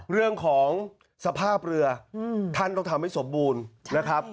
เรื่องของสภาพเรือท่านต้องทำให้สมบูรณ์นะครับ